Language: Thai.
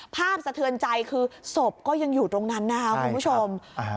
ภาพสะเทือนใจคือสมบก็ยังอยู่ตรงนั้นนะคุณผู้ชม